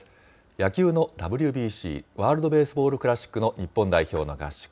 野球のＷＢＣ・ワールドベースボールクラシックの日本代表の合宿。